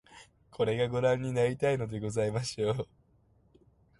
これが御覧になりたいのでございましょう